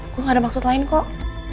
gue gak ada maksud lain kok